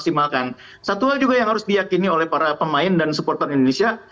satu hal juga yang harus diyakini oleh para pemain dan supporter indonesia